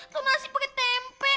kamu masih pakai tempe